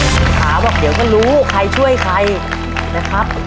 คุณขาบอกเดี๋ยวก็รู้ใครช่วยใครนะครับ